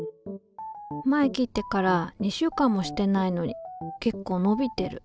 前切ってから２週間もしてないのに結構伸びてる。